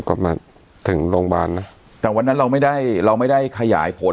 ก็มาถึงโรงพยาบาลนะแต่วันนั้นเราไม่ได้เราไม่ได้ขยายผล